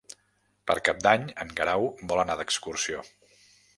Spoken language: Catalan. Per Cap d'Any en Guerau vol anar d'excursió.